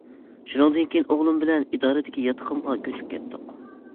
شۇنىڭدىن كېيىن ئوغلۇم بىلەن ئىدارىدىكى ياتىقىمغا كۆچۈپ كەتتۇق.